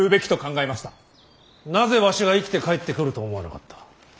なぜわしが生きて帰ってくると思わなかった。